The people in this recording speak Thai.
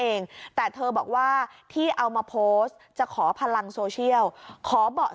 เองแต่เธอบอกว่าที่เอามาโพสต์จะขอพลังโซเชียลขอเบาะ